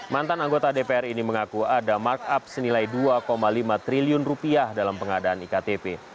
mantan anggota dpr ini mengaku ada markup senilai dua lima triliun rupiah dalam pengadaan iktp